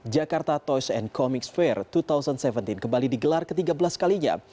jakarta toys and comics fair dua ribu tujuh belas kembali digelar ke tiga belas kalinya